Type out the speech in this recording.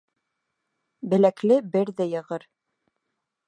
Беләкле берҙе йығыр